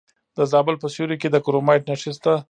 د زابل په سیوري کې د کرومایټ نښې شته.